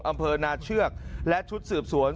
อำเภอนาเชือกและชุดสืบสวน